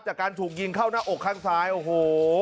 จากการถูกยิงเข้าหน้าอกข้างซ้ายโอ้โห